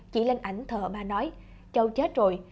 chỉ lên ảnh thờ bà nói châu chết rồi